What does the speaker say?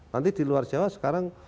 nanti di luar jawa sekarang